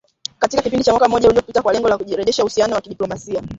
katika kipindi cha mwaka mmoja uliopita kwa lengo la kurejesha uhusiano wa kidiplomasia